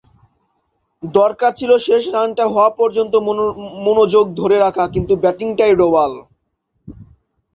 দরকার ছিল শেষ রানটা হওয়া পর্যন্ত মনোযোগ ধরে রাখা, কিন্তু ব্যাটিংটাই ডোবাল।